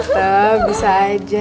tante bisa aja